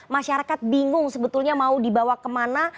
masyarakat bingung sebetulnya mau dibawa kemana